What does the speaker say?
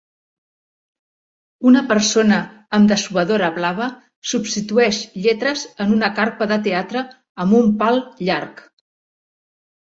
Una persona amb dessuadora blava substitueix lletres en una carpa de teatre amb un pal llarg.